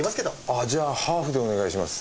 あぁじゃあハーフでお願いします。